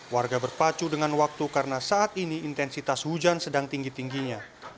warga berpacu dengan waktu karena saat ini intensitas hujan sedang tinggi tingginya